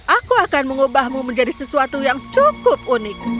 aku akan mengubahmu menjadi sesuatu yang cukup unik